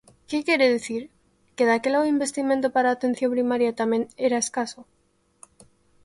¿Que quere dicir?, ¿que daquela o investimento para a atención primaria tamén era escaso?